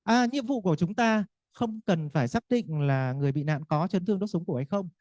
à nhiệm vụ của chúng ta không cần phải xác định là người bị nạn có chấn thương đốt súng củ hay không